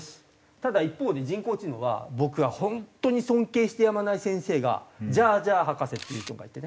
ただ一方で人工知能は僕は本当に尊敬してやまない先生がジャージャ博士っていう人がいてね